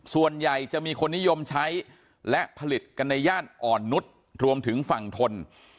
ส่วนใหญ่จะมีคนนิยมใช้และผลิตกันในย่านอ่อนนุษย์รวมถึงฝั่งทน